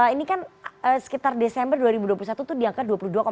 ini kan sekitar desember dua ribu dua puluh satu itu di angka dua puluh dua